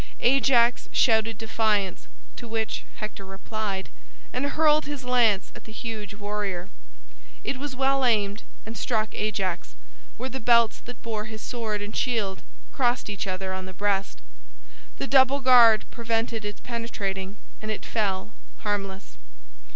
Ajax shouted defiance, to which Hector replied, and hurled his lance at the huge warrior. It was well aimed and struck Ajax, where the belts that bore his sword and shield crossed each other on the breast. The double guard prevented its penetrating and it fell harmless.